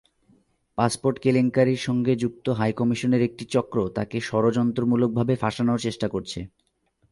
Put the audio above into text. Passport কেলেঙ্কারির সঙ্গে যুক্ত হাইকমিশনের একটি চক্র তাঁকে ষড়যন্ত্রমূলকভাবে ফাঁসানোর চেষ্টা করছে।